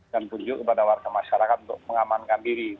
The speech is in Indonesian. dan kunjuk kepada warga masyarakat untuk mengamankan diri